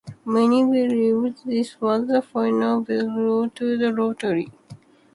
Many believed this was the final blow to the lottery.